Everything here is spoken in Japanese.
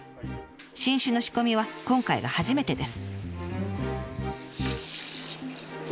新酒の仕込みは今回が初めてです。